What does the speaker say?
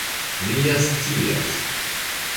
Vi ja scias!